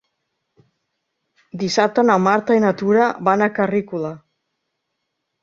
Dissabte na Marta i na Tura van a Carrícola.